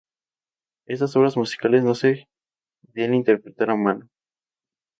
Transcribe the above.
Estas obras musicales no se podían interpretar a mano.